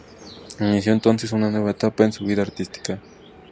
Inició entonces una nueva etapa en su vida artística.